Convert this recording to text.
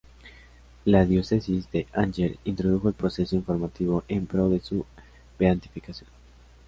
La diócesis de Angers introdujo el proceso informativo en pro de su beatificación.